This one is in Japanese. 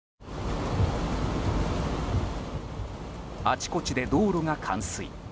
あちこちで道路が冠水。